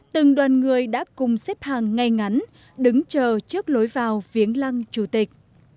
từng đoàn người đã cùng xếp hàng ngay ngắn đứng chờ trước lối vào viếng lăng chủ tịch